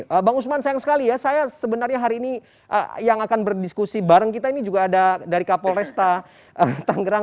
oke bang usman sayang sekali ya saya sebenarnya hari ini yang akan berdiskusi bareng kita ini juga ada dari kapolresta tanggerang